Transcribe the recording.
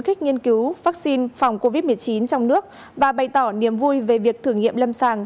kích nghiên cứu vaccine phòng covid một mươi chín trong nước và bày tỏ niềm vui về việc thử nghiệm lâm sàng